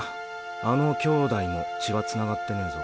あの兄弟も血は繋がってねぇぞ。